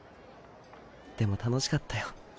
でも楽しかったよ。